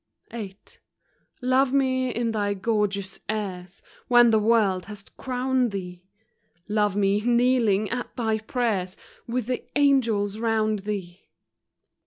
VIII. Love me in thy gorgeous airs, When the world has crowned thee ! Love me, kneeling at thy prayers, With the angels round thee.